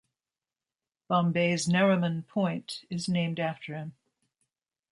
Bombay's Nariman Point is named after him.